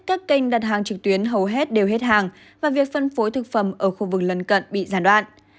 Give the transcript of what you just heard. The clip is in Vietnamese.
các kênh đặt hàng trực tuyến hầu hết đều hết hàng và việc phân phối thực phẩm ở khu vực lân cận bị gián đoạn